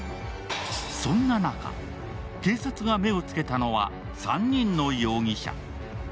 そんな中、警察が目をつけたのは３人の容疑者。